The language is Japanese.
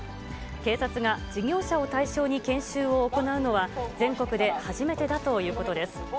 警察が事業者を対象に研修を行うのは、全国で初めてだということです。